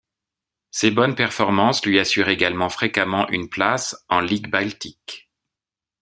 Ses bonnes performances lui assure également fréquemment une place en Ligue baltique.